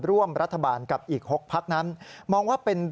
ร่วมรัฐบาลกับอีก๖ภักดิ์นั้น